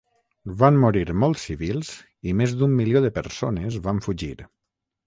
Van morir molts civils i més d'un milió de persones van fugir.